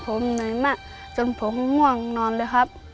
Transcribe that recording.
ผมเหนื่อยมากจนผมง่วงนอนเลยครับ